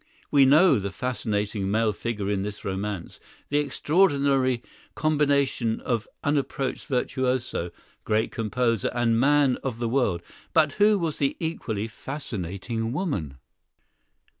We know the fascinating male figure in this romance—the extraordinary combination of unapproached virtuoso, great composer, and man of the world; but who was the equally fascinating woman?